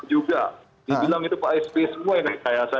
juga dibilang itu pak sp semua yang